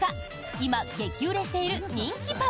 今、激売れしている人気パン。